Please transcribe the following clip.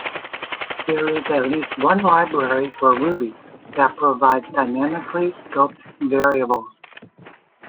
There is at least one library for Ruby that provides dynamically-scoped variables.